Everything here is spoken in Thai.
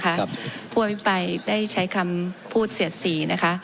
ผู้อภิปรายได้ใช้คำพูดเสียดสีนะคะ